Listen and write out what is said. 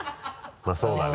まぁそうだね。